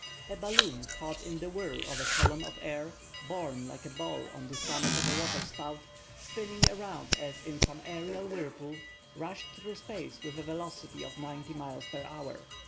A balloon, caught in the whirl of a column of air, borne like a ball on the summit of a waterspout, spinning around as in some aerial whirlpool, rushed through space with a velocity of ninety miles an hour.